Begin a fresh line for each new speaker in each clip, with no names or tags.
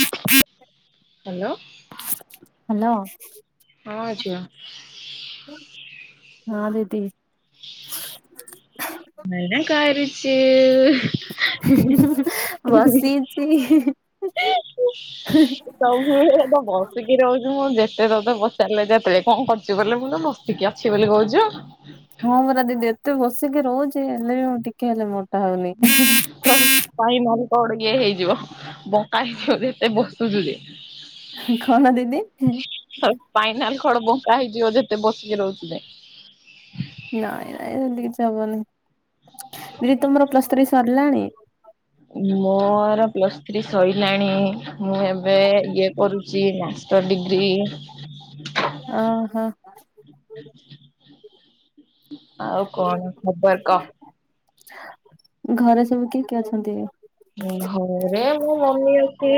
ହ ହ
hello.
Hello.
ହଁ ଝିଅ।
ହଁ ଦିଦି।
[unintelligible] କରୁଛୁ।
ବସିଛି।
[inaudible] ବସିକି ରହୁଛି ମୁଁ ଯେତେ ତତେ ପଚାରିଲେ ଯେତେବେଳେ କଣ କରୁଚୁ ବୋଲେ ମୁଁ ତ ବସିକି ଅଛି ବୋଲି କହୁଛୁ।
ହଁ ପରା ଦିଦି ଏତେ ବସିକି ରହୁଛି ହେଲେ ବି ମୁଁ ଟିକେ ହେଲେ ମୋଟା ହଉନି।
ସ୍ପାଇନାଲ୍ କଡ଼ ଇଏ ହେଇଯିବ ବଙ୍କା ହେଇଯିବ ଏତେ ବସୁଛୁ ଯେ।
କଣ ଦିଦି?
ସ୍ପାଇନାଲ୍ କଡ ବଙ୍କା ହେଇଯିବ ଯେତେ ବସିକି ରହୁଛୁ ଯେ।
ନାଇଁ ନାଇଁ ସେମିତି କିଛି ହବନିଁ ଦିଦି ତୁମର ପ୍ଲସ ଥ୍ରୀ ସରିଲାଣି?
ମୋର ପ୍ଲସ୍ ଥ୍ରୀ ସଇଲାଣି ମୁଁ ଏବେ ଇଏ କରୁଛି ମାଷ୍ଟର ଡିଗ୍ରୀ।
ଓ ହୋ।
ଆଉ କଣ ଖବର କହ।
ଘରେ ସବୁ କିଏ କିଏ ଅଛନ୍ତି?
ଘରେ ମୋ ମମି ଅଛି।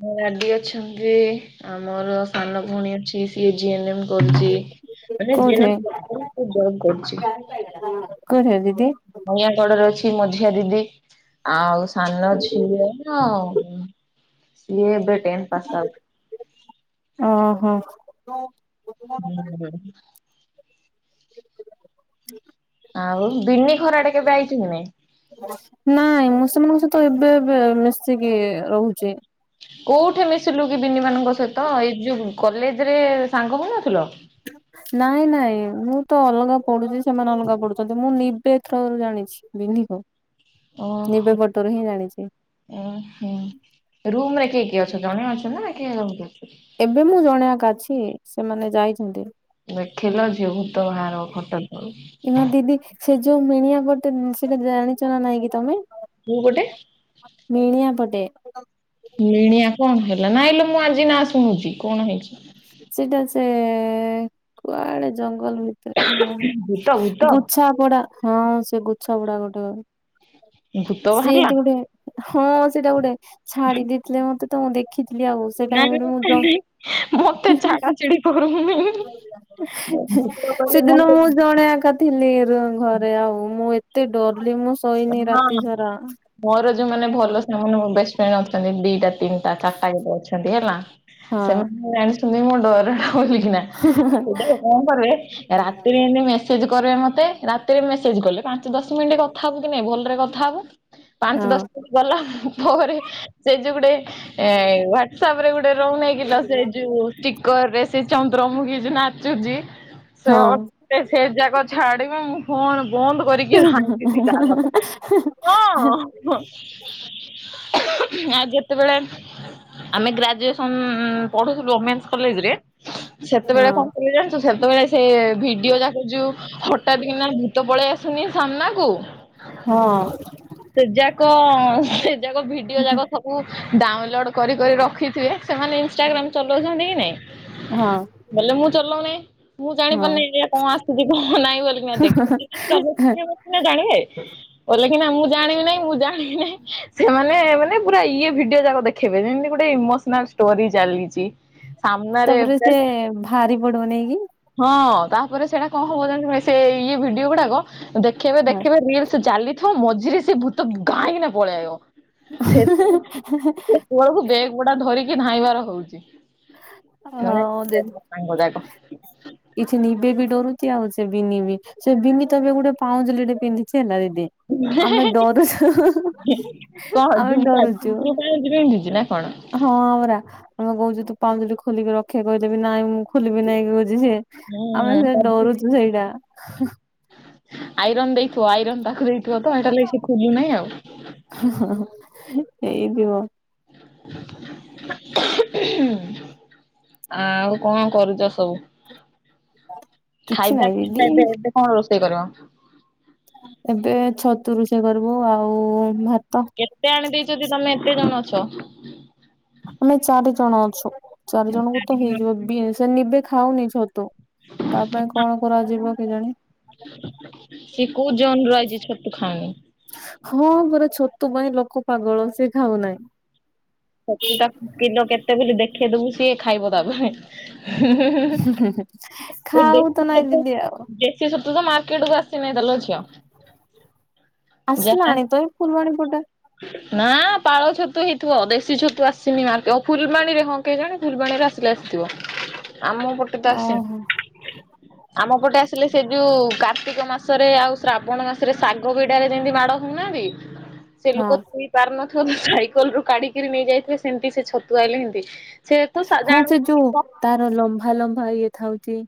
ମୋ ଡାଡି ଅଛନ୍ତି ଆମର ସାନ ଭଉଣୀ ଅଛି ସିଏ ଜି ଏନ୍ ମ୍ କରୁଛି ମାନେ [unintelligible] ଜବ୍ କରୁଛି।
କୋଉଠେ ଦିଦି।
ନୟାଁଗଡ ରେ ଅଛି ମଝିଆ ଦିଦି ଆଉ ସ ସାନ ଝିଅ ନ ସିଏ ଏବେ ଟେନ୍ ପାସ୍ ଆଉଟ୍।
ଓ ହୋ।
ହୁଁ ହୁଁ।
ହୁଁ
ଆଉ ବିିନି ଘର ଆଡେ କେବେ ଆଇଛ କି ନାଇଁ।
ନାଇଁ ମୁଁ ସେମାନଙ୍କ ସହିତ ଏବେ ଏବେ ମିଶିକି ରହୁଛି।
କୋଉଠି ମିଶିଲୁ କି ବିିନି ମାନଙ୍କ ସହିତ ଏଇ ଯୋଉ କଲେଜ ରେ ସାଙ୍ଗ ହଉ ନଥିଲ।
ହଁ ନାଇଁ ନାଇଁ ମୁଁ ତ ଅଲଗା ପଢୁଛି ସେମାନେ ଅଲଗା ପଢୁଛନ୍ତି ମୁଁ ନିବେ ଥ୍ରରୁ ଜାଣିଛି। ବିନି କୁ।
ଓହୋ ଓ ହ ରୁମ ରେ କି କିଏ ଅଛ ଜଣେ ଅଛନା କିଏ ଆହୁରି ଅଛି।
ଏବେ ମୁଁ ଜଣେ ଆକା ଅଛି ସେମାନେ ଯାଇଛନ୍ତି।
ଦେଖିଲ ଝିଅ ଭୂତ ବାହାର ଖଟ। ତଳୁ।
ଏ ମା ଦିଦି ସେ ଯୋଉ ମିଣିଆ ଗୋଟେ ସେଇଟା ଜାଣିଛ ନା ନାଇଁ କି ତମେ?
କଉ ପଟେ?
ମିଣିଆ ପଟେ।
ମିଣିଆ କଣ ହେଲା ନାଇଁଲ ମୁଁ ଆଜି ନା ଶୁଣୁଛି କଣ ହେଇଚି।
ସେଟା ସେ କୁଆଡେ ଜଙ୍ଗଲ ଭିତରେ। ହଁ
ଭୂତ ଭୂତ
ଗୁଚ୍ଛା ପୋଡା ହଁ ସେ ଗୁଚ୍ଛାପୋଡା ଗୋଟେ।
[inaudible]
ସିଏ
ବାହାରିଲା
ଏମତି ଗୋଟେ ହଁ ସେଇଟା ଗୋଟେ ଛାଡି ଦେଇେଇଥିଲେ ମତେ ତ ମୁଁ ଦେଖିଥିଲି ଆଉ। ସେ
ନା ନା
ଟାଇମ ରେ ମୁଁ
ନା ନାଇ ମତେ ଛାଡା ଛାଡି କରୁନି। ଭୂତ କହିଲେ ମୋ
ସେଦିନ ମୁଁ
କଥା
ଜଣେ ଏକା ଥିଲି ଘରେ ଆଉ ମୁଁ ଏତେ ଡରଲି ମୁଁ। ଶୋଇନି
ହଁ
ରାତି ସାରା
ମୋର ଯୋଉମାନେ ଭଲ ସେମାନେ ମୋ ବେଷ୍ଟଫ୍ରେଣ୍ଡ ଅଛନ୍ତି ଦିଟା ତିନିଟା ଚାରିଟା ଗତେ ଅଛନ୍ତି ହେଲା
ହଁ
ସେମାନେ ଜାଣିଛନ୍ତି ମୋ ଡର ଟା ବଲିକିନା।
ହୁଁ ହୁଁ ହେ
କଣ କରିବେ ରାତିରେ ଏମତି ମେସେଜ କରିବେ ମତେ ରାତିରେ ମେସେଜ କଲେ ପାଞ୍ଚ ଦଶ ମିନିଟ କ ହବ କି ନାଇଁ ଭଲରେ କଥା ହବ ପାଞ୍ଚ ଦଶ ଦିନି ଗଲା ପରେ। ସେ ଯୋଉ ଗୋଟେ ଏ ହ୍ୟାଟସପରେ ଗୋଟେ ରହୁନାହିଁ କିଲ ସେ ଯୋଉ ଟିକରରେ ସେ ଚନ୍ଦ୍ରମୁଖୀ ଯୋଉ ନାଚୁଛି
ହଁ
ସେ ସେ ଯାକ ଛାଡିବ ମୁଁ ଫୋନ ବନ୍ଦ କରିକି ଭାଇ।
ହେଁ ହେଁ ହେଁ ହେଁ ହେଁ।
ଆ ଯେତେବେଳେ ଆମେ ଗ୍ରାଜୁଏସନ ପଢୁୁଥିଲୁ ଓମେନ୍ସ୍ କଲେଜରେ
ହଁ
ସେତେବେଳେ କଣ କଲେ ଜାଣିଛୁ ସେତେବେଳେ ସେ ଭିଡିଓ ଯାକ ହଠାତ୍ କିନା ଭୁତ ପଳେଇ ଆସେନି ସାମ୍ନାକୁ।
ହଁ।
ସେ ଯାକ ସେ ଯାକ ଭିଡିଓ ଯାକ ସବୁ ଡାଉନଲୋଡ଼୍ କରିି କରି ରଖିଥିବେ ସେମାନେ ଇନଷ୍ଟାଗ୍ରାମ୍ ଚଲଉଛନ୍ତି କି ନାଇଁ।
ହଁ।
ବେଲେ ମୁଁ ଚଲଉନେଇ। ମୁଁ
ହଁ
ଜାଣିପାରୁନି ଏ କଣ ଆସୁଛି କଣ ନାଇଁ ବୋଲି କିନା ଦେଖୁଥିଲେ ଚାଲଉ ଥିଲେ ସିନା ଜାଣିବେ। କଲେ କିନା ମୁଁ ଜାଣିବି ନାହିଁ ମୁଁ ଜାଣିବି ନାହିଁ ସେମାନେ ମାନେ ପୁରା ଇଏ ଭିଡିଓ ଯାକ ଦେଖେଇବେ ଯେମିତି ଗୋଟେ ଇମୋସନ ସନାଲ୍ ଷ୍ଟୋରି ଚାଲିଛି। ସାମ୍ନାରେ
ତାପରେ
ପୁରା
ସେ ଭାରି ପଡିବ ନେଇକି।
ହଁ ତାପରେ ସେଇଟା କଣ ହବ ସେ ଇଏ ଭିଡିଓ ଗୁଡାକ ଦେଖେଇ
ହଁ
ଦେଖେଇ ରିଲ ସେ ଚାଲିଥିବ ମଝିରେ ସେ ଭୂତ ଗାଇଁକିନା ପଳେଇ ଆଇବ।
ହେଁ ହେଁ ହେଁ।
ତଳକୁ ବେଗ୍ ଗୋଟା ଧରିକି ଧାଇଁବାର ହଉଛି।
ହଁ ଯେ
ସାଙ୍ଗ ଯାକ
କିଛି ନିବ ବି ଡରୁଛି ଆଉ ସେ ବି ନ ବି ସେ ବିନ ତ ଏବେ ଗୋଟେ ପାଉଁଜଲି ଗୋଟେ ପିନ୍ଧିଛି ହେଲା ଦିଦି। ଆମେ ଡରୁଛୁ
କଣ
ଆମେ
ଝୁମୁକା
ଡରୁଛୁ।
ଝୁମୁରୁ କଣ ଏମିତି ପିନ୍ଧୁଛି ନା କଣ?
ହଁ ପରା ଆମେ କହୁଛୁ ତୁ ପାଉଜି ଖୋଲିକି ରଖେ କହିଲେ ବି ନାଇଁ ମୁଁ ଖୋଲିିବି ନାଇଁ କହୁଛି ସିଏ।
ହୁଁ
ଆମେ ସେ
ସବୁ
ଡରୁଛୁ ସେଇଟା।
ଆଇରନ ଦେଇଥିବ ଆଇରନ୍ ତାକୁ ଦେଇଥିବ ତ ସେଇଟା ଲାଗି ସେ ଖୋଲୁ ନାହିଁ ଆଉ।
ହଁ ହଁ ହେଇଥିବ। [inaudible]
ଆଉ କଣ କରୁଛ ସବୁ?
କିଛି
ଖାଇବା
ନାହିଁ ଦିଦି
ପିଇବା ଏବେ ଏବେ କଣ ରୋଷେଇ କରିବ?
ଏବେ ଛତୁ ରୋଷେଇ କରିବୁ ଆଉ ଭାତ।
କେତେ ଆଣି ଦେଇଛନ୍ତି ତମେ ଏତେ ଜଣ ଅଛ।
ଆମେ ଚାରି ଜଣ ଅଛୁ ଚାରି ଜଣଙ୍କୁ ତ ହେଇଯିବ ବି ସେ ନିବ ଖାଉନି ଛତୁ। ତା ପାଇଁ କଣ କରାଯିବ କେଜାଣି?
ସିଏ କୋଉ ଜନରୁ ଆଇଛି ଛତୁ ଖାଉନି।
ହଁ ପରା ଛତୁ ପାଇଁ ଲୋକ ପାଗଳ ସିଏ ଖାଉ ନାହିଁ।
ଛତୁଟା କିଲୋ କେତେ ବୋଲି ଦେଖେଇଦବୁ ସିଏ ଖାଇବ ତାପରେ। ହିଁ ହିଁ ହିଁ ହିଁ ଏ
ଖାଉ ତ
ଦେସି
ନାଇଁ
ଛତୁ
ଦିଦି ଆଉ
ଦେ ସି ଛତୁ ତ ମାର୍କେଟ କୁ ଆସି ନେଇତଲ ଝିଅ। ଯାହା
ଆସିଲାଣି ତ ଏ ଫୁଲବାଣୀ ପୁଟେ।
ନା ପାଳ ଛତୁ ହେଇଥିବ ଦେଶୀ ଛତୁ ଆସିନି ମାର୍କେ ଓ ଫୁଲବାଣୀରେ। କେ ଜାଣି ଫୁଲବାଣୀରେ ଆସିଲେ ଆସିଥିବ ଆମ ପଟେ ତ
ଓହୋ।
ଆସିନ ଆମ ପଟେ ଆସିଲେ ସେ ଯୋଉ କାର୍ତ୍ତିକ ମାସରେ ଆଉ ଶ୍ରାବଣ ମାସରେ ଶାଗ ବିଡାରେ ଯେମିତି ମାଡ ହଉନାହାନ୍ତି। ସେ ଲୋକ
ହଁ
ଥୋଇ ପାରୁ ନ ଥିବ ସାଇକେଲରୁୁ କାଢିକିରି ନେଇ ଯାଇଥିବେ ସେମତି ସେ ଛତୁ ଆଇଲେ ଏମତି।
ହଁ ସେ ଯୋଉ ତାର ଲମ୍ଭା ଲମ୍ଭା ଇଏ ଥାଉଥି।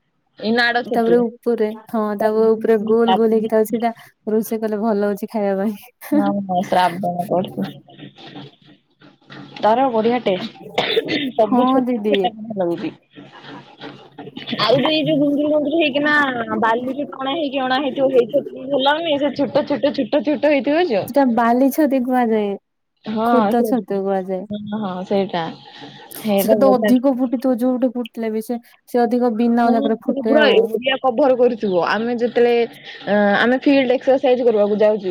ଏଇ ନାଡ ଛତୁ।
ଉପରେ ହଁ ତାକୁ ଉପରେ ଗୋଲ ଗୋଲ ହେଇକି ତା ସେଟା ରୋଷେଇ କଲେ ଭଲ ହୋଉଚି ଖାଇବା ପାଇଁ।
ହଁ ହଁ ଶ୍ରାବଣ
ହଁ ଦିଦି
[unintelligible] [unintelligible] ଆଉ ବି ଏଇ ଯୋଉ ଗୁନ୍ଦୁରୁ ଗୁନ୍ଦୁରୁ ହେଇକି ନା ବାଲିିକି ଟଣା ହେଇକି ଅଣା ହେଇଥିବ ହେଇ ଛତ ଭଲନି ସେ ଛୋଟ ଛୋଟ ଛୋଟ ଛୋଟ ହେଇଥିବ ଯଉ
ସେଟା ବାଲି ଛତି କୁହାଯାଏ ଖୁଦ
ସେ
ଛତୁ କୁହାଯାଏ।
ହଁ ହଁ ସେଇଟା। ସେଇଟା
ସେଟ ତ
ବଢିଆ
ଅଧିକ ଫୁଟିଥିବ ଯୋଉଠି ଫୁଟିଲେ ବି ସେ ସେ ଅଧିକ ବିନା
ହଁ
ଜାକାରେ
ସେଟା
ଫୁଟେ
ପୁରା
ଆଉ।
ଏରିଆ କଭର କରୁଥିବ ଆମେ ଯେତେବେଳେ ଅ ଆମେ ଫିଲ୍ଡ ଏକ୍ସରସାଇଜ କରିବାକୁ ଚେ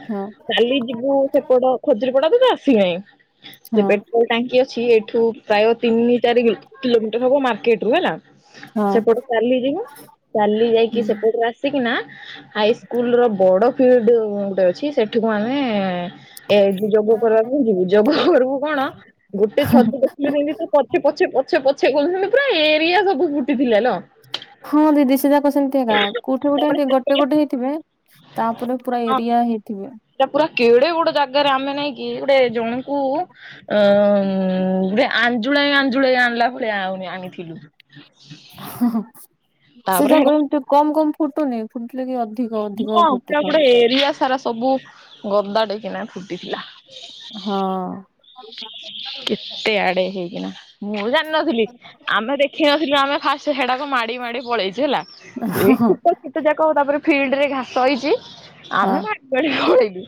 [inaudible]
ହଁ
କାଲି ଯିବୁ ସେପଟ ଖଜୁରୀପଡା ତ ସେ ଆସିନାହିଁ। ସେ
ହଁ
ଟେ ଟାଙ୍କି ଅଛି ଏଠୁ ପ୍ରାୟ ତିନି ଚାରି କିଲୋମିଟର ହବ ମାର୍କେଟ ରୁ ହେଲା
ହଁ।
ସେପଟେ ଚାଲିଯିବୁ ଚାଲି ଯାଇକି
ହୁଁ।
ସେପଟରେ ଆସ କିନା ହାଇସ୍କୁଲ ର ବଡ ଫିଲ୍ଡ ଗୋଟେ ଅଛି ସେଠିକୁ ଆମେ ଏ ଯୋଉ ଯୋଗ କରବାକୁ ଯିବୁ ଯୋଗ କରିବୁ କଣ ଗୋଟେ ଛତୁ ଦେଖିଲୁ ଯେମତି ପଛେ ପଛେ ପଛେ ପଛେ ଗଲୁ [unintelligible] ପୁରା ଏରିଆ ସବୁ ଫୁଟିଥିଲାଲ
ହଁ ଦିଦି ସେ ଯାକ ସେମିତି ଗା କୋଉଠି ଗୋଟେ
ତାପରେ
ଏମତି ଗୋଟ ଟେ
ସେପଟେ
ଗୋଟେ ହେଇଥିବେ ତାପରେ ପୁରା ଏରିଆ ହେଇଥିବେ।
ତା ପୁରା କେଡେ ବଡେ ଜାଗାରେ ଆମେ ନାଇଁକି ଗୋଟେ ଜଣଙ୍କୁ ଅଁ ଗୋଟେ ଆଞ୍ଜୁଳାଇ ଆଞ୍ଜୁଳାଇ ଆଣିଲା ଭଳିଆ ଆଉନି ଆଣିଥିଲୁ।
ହୁଁ ହୁଁ ସେ
ତାପରେ ହେଟା
ଯାକ ଇମିତି କମ କମ ଫୁଟୁନି ଫୁଟିଲେ କି ଅଧିକ ହ
ହଁ ପରା ଗୋଟେ ଏରିଆ ସାରା ସବୁ ଗଦା ଟେ କିନା ଫୁଟିଥିଲା।
ହଁ
କେତେ ଆଡେ ହେଇକିନା ମୁଁ ଜାଣିନଥିଲି ଆମେ ଦେଖ ଖି ନ ଥିଲୁ ଆମେ ଫାଷ୍ଟ ହେଡାକୁ ମାଡି ମାଡି ପଳେଇଚୁ ହେଲା।
ହଁ ହଁ
କୀଟ ଯାକ ତାପରେ ଫିଲ୍ଡ ରେ ଘାସ ହେଇଚି। ଆମେ
ହଁ
ମା ମାଡି ଖଳେଇଲୁ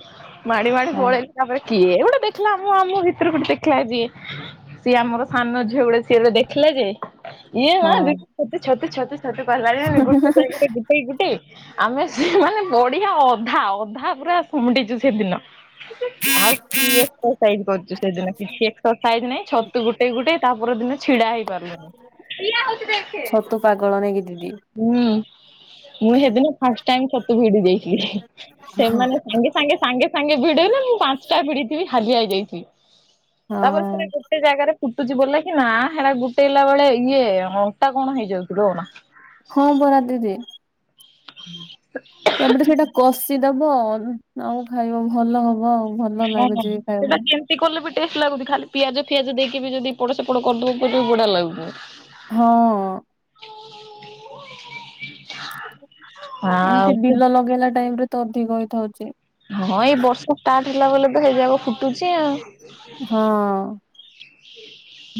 ମାଡି ମାଡି
ହଁ
ପଳେଇଲା ତାପରେ କିଏ ଗୋଟେ ଦେଖଲା ମୁଁ ଆମ ଭିତ [unintelligible] ଦେଖିଲା ଯିଏ ସିଏ ଆମର ସାନ ଝିଅ ଗୋଡେ ସିଏ ଗୋଟେ ଦେଖିଲା ଯେ।
ହଁ
[unintelligible] ସେଇ ଗୋଟେ ଆମେ ସେ ମାନେ ବଢିଆ ଅଧା ଅଧା ପୁରା କୁମୁଟିଚୁ ସେଦିନ। ଆଉ କି ଏକ୍ସରସାଇଯ କରୁଛୁ ସେଦିନ କିଛି ଏକ୍ସରସାଇଯ ନାଇଁ ଛତୁ ଗୋଟେଇ ଗୋଟେ ଇ ତାପରଦିନ ଛିଡା ହେଇପାରିଲୁନ
ଛତୁ ପାଗଳ ନାଇକି ଦିଦି
ହୁଁ ମୁଁ ସେଦିନ ଫାଷ୍ଟ ଟାଇ ସତୁ ଭିଡି ଦେଇଚି ସେମାନେ ସାଙ୍ଗେ ସାଙ୍ଗେ ସାଙ୍ଗେ ସାଙ୍ଗେ ଭିଡି ଗଲେ ମୁଁ ପାଞ୍ଚଟା ଭିଡି ଥିବି ହାଲିଆ ହେଇଯାଇଚି। ତା ପରେ
ହଁ
ପୁଣି ଗୋଟେ ଜାଗାରେ ଫୁଟୁଛି ବୋଲେ କି ନା ହେରା ଗୋଟେଇଲା ବେଳେ ଇଏ ଅଣ୍ଟା କଣ ହେଇଯାଉଚିଲୋ। ମା
ହଁ ପରା ଦିଦି ସମେତ ସେଟା କଷି ଦବ ଅ ଆଉ ଖାଇବ ଭଲ ହବ ଆଉ। ଭଲ
ହଁ ହଁ
ଲାଗୁଛି ଖାଇବା
ସେଟା
ପାଇଁ
ଗେମ୍ ସେ କଲେ ବି ଟେଷ୍ଟ ଲାଗୁଛି ଖାଲି ପିଆଜ ଫିଆଜ ଦେଇକି ବି ଯଦି ଏପଡ ସେପଡ କରିଦେବ ବି ବଢିଆ ଲା
ହଁ।
[inaudible]
ଏମିତି
ଆଉ
ବିଲ ଲଗେଇଲା ଟାଇମ ରେ ତ ଅଧିକ ହେଇଥାଉଛି
ହଁ ଏଇ ବର୍ଷା ଷ୍ଟାର୍ଟ ହେଲା ବୋଲି ତ ହେଇଯାକ ଫୁଟୁଛି ଆଉ।
ହଁ।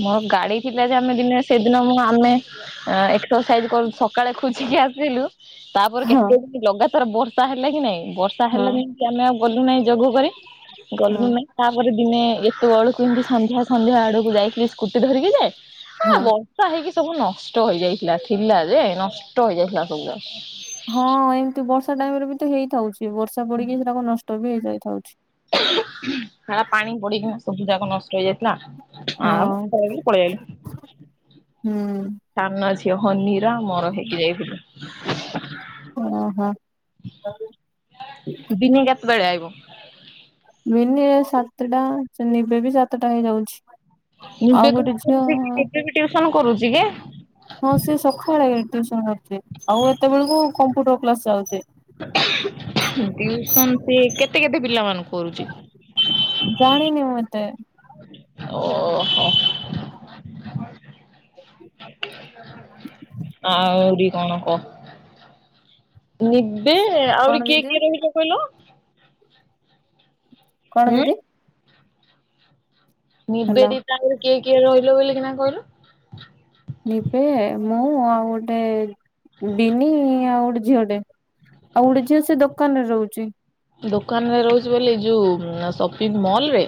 ମୋର ଗାଡି ଥିଲା ଯେ ଆମେ ଦିନେ ସେଦିନ ମୁ ଆମେ ଏକ୍ସରସାଇଜ କରୁ ସ ସକାଳେ ଖୋଜିକି ଆସିଲୁ ତାପରେ
ହଁ
କେତେ ଦିନ ଲଗାତାର ବର୍ଷା ହେଲା କି ନାଇଁ? ବର୍ଷା
ହଁ
ହେଲାନି କି ଆମେ ଆଉ ଗଲୁ ନାହିଁ ଯୋଗ କରି
ହଁ
ଗଲୁନୁ ନାହିଁ ତାପରେ ଦିନେ ଏତେ ବଳକୁ ଏମିତି ସନ୍ଧ୍ୟା ସନ୍ଧ୍ୟା ଆଡକୁ ଯାଇଥିଲି ସ୍କୁଟି ଧରିକି ଯେ ହଁ ବୋ ବର୍ଷା ହେଇକି ସବୁ ନଷ୍ଟ ହେଇଯାଇଥିଲା ଥିଲା ଯେ ନଷ୍ଟ ହେଇଯାଇଥିଲା ସବୁଯା
ହଁ ଏମିତି ବର୍ଷା ଟାଇମ ରେ ବି ତ ହେଇଥାଉଛି ବର୍ଷା ପଡିକି ସେଟାକ ନଷ୍ଟ ବି ହେଇଯାଇଥାଉଛି।
[inaudible] ପାଣି ପଡିକିନା ସବୁ ଯାକ ନଷ୍ଟ ହେଇଯାଇଥିଲା। ଆଉ
ହଁ
ପଳେଇଆଇଲୁ।
ହୁଁ।
ସାନ ଝିଅ ହନି ର ମୋର ହେଇକି ଯାଇଥିଲୁ।
ଓ ହୋ।
ବିନି କେତେବେଳେ ଆଇବ?
ବିନି ସାତଟା ନିବେ ବି ସାତଟା ହେଇଯାଉଛି। ଆଉ
ନିବେ କଣ
ଗୋଟେ
କରୁଛି
ଝିଅ
ନିବେ ବି ଟିଉସନ କରୁଛି କି?
ହଁ ସେ ସକାଳେ ଟିଉସନ କରୁଛି ଆଉ ଏତେବେଳକୁ କମ୍ପ୍ୟୁଟର କ୍ଲାସ ଯାଉଛି।
[inaudible] ଟିଉସନ ସେ କେତେ କେତେ ପିଲା ମାନଙ୍କୁ କରୁଚି?
ଜାଣିନି ମୁଁ ଏତେ।
ଓ ଓହୋ। ଆହୁରି କଣ କହ ନିବି
କଣ
ଆଉରି କିଏ
ଦିଦି
କିଏ ରହିିଲେ? କହିଲ?
କଣ
ହୁଁ
ଦିଦି? ହେଲା
ନିବେଦିତା ରୁ କିଏ କିଏ ରହିଲ ବୋଲିି କିନା କହିଲୁ?
ନିିବେ ମୁଁ ଆଉ ଗୋଟେ ଡିିନି ଆଉ ଗୋଟେ ଝିଅଟେ। ଆଉ ଗୋଟେ ଝିଅ ସେ ଦୋକାନ ରେ ରହୁଛି।
ଦୋକାନରେ ରହୁଛି ବୋଲି ଯୋଉ ସପିଙ୍ଗମଲ୍ ରେ?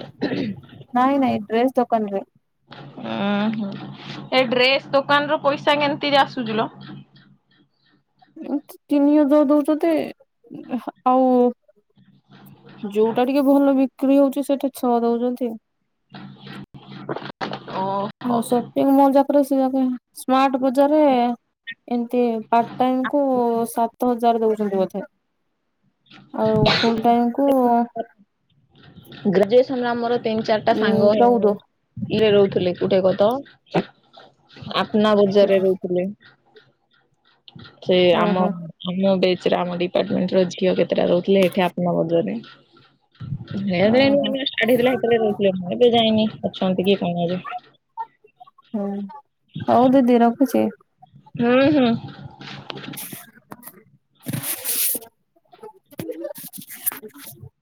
ନାଇଁ ନାଇଁ ଡ୍ରେସ୍ ଦୋକାନ ରେ।
ଉଁ ହୁଁ ଏ ଡ୍ରେସ ଦୋକାନ ରୁ ପଇସା କେମିତି ଆସୁଚି ଲୋ?
ତିନି ହଜାର ଦଉଛନ୍ତି ଆଉ ଯୋଉଟା ଟିକେ ଭଲ ବିକ୍ରି ହଉଛି ସେଠି ଛଅ ଦଉଛନ୍ତି।
ଓ
ଆଉ ସପିଂମଲ୍ ଯାକରେ ସେ ଯ ସ୍ମାର୍ଟ ବଜାରରେ ଏମତି ପାର୍ଟ ଟାଇମକୁ ସାତ ହଜାର ଦଉଛନ୍ତି ବୋଧେ। ଆଉ ଫୁଲ ଟାଇମ୍ କୁ
ଗ୍ରାଜୁଏସନ ର ଆମର ତିନି ଚାରିଟା
ଉଁ
ସାଙ୍ଗ
ଚଉଦ
ଇରେ ରହୁଥିଲେ କୋଉଠି କହ ତ ଆପନା ବଜାରରେ ରହୁଥିଲେ। ସେ ଆମ
ଓହୋ
ଆମ ବେଚର ଆମ ଡିପାର୍ଟମେଣ୍ଟ ର ଝିଅ କେତେ କେତେଟା ରହୁଥିଲେ ଏଠି ଆପନାବଜାରରେ। [unintelligible] ଯାଇନି
ଓହୋ
ଅଛନ୍ତି କିଏ କଣ ଏବେ
ହୁଁ ହଉ ଦି ଦି ରଖୁଚି।
ହୁଁ ହୁଁ।
[inaudible]